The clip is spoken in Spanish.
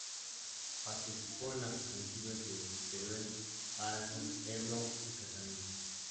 Participó en las Ofensivas de Teruel, Aragón, Ebro y Cataluña.